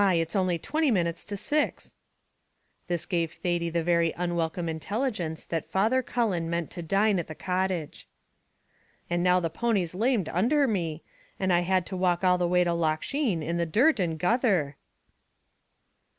it's only twenty minutes to six " This gave Thady the very unwelcome intelligence that Father Cullen meant to dine at the cottage. "And now the pony's lamed undher me, I had to walk all the way to Loch Sheen, in the dirt and gutther."